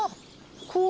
こう？